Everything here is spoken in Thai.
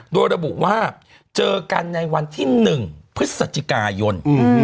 โดยระบุว่าเจอกันในวันที่๑พฤศจิกายน